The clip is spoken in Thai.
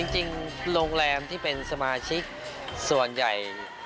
จริงโรงแรมที่เป็นสมาชิกส่วนใหญ่